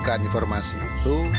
keterbukaan informasi itu